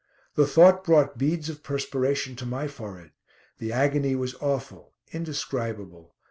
The thought brought beads of perspiration to my forehead. The agony was awful; indescribable.